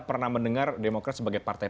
pernah mendengar demokrat sebagai partai